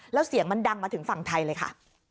แล้วเสียงมันดังมาถึงฝั่งไทยเลยค่ะ